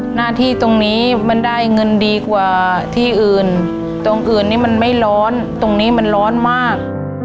หน้าที่ตรงนี้มันได้เงินดีกว่าที่อื่นตรงอื่นนี้มันไม่ร้อนตรงนี้มันร้อนมาก